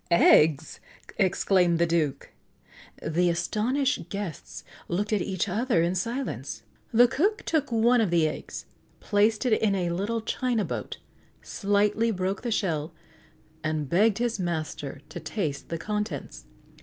"Eggs!" exclaimed the Duke. The astonished guests looked at each other in silence. The cook took one of the eggs, placed it in a little china boat, slightly broke the shell, and begged his master to taste the contents.